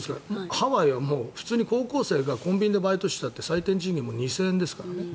ハワイはもう普通に高校生がコンビニでバイトしていたって最低賃金２０００円ですからね。